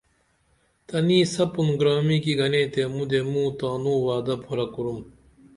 تنی سپُن گرامی کی گنے تے مودے مو تانو وعدہ پُھرہ کُرُم